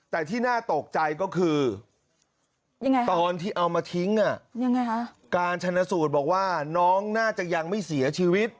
แต่ที่น่าตกใจก็คือตอนที่เอามาทิ้งการชนสูตรบอกว่าน้องน่าจะยังไม่เสียชีวิต